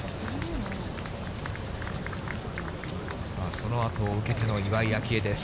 そのあとを受けての岩井明愛です。